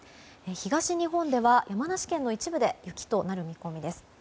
東日本では山梨県の一部で雪となる見込みです。